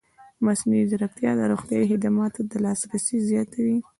مصنوعي ځیرکتیا د روغتیايي خدماتو لاسرسی زیاتوي.